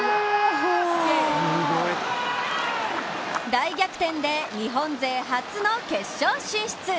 大逆転で日本勢初の決勝進出。